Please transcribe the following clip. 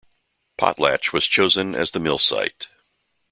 Potlatch was chosen as the mill site.